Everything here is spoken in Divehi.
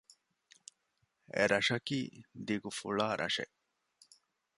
އެރަށަކީ ދިގު ފުޅާ ރަށެއް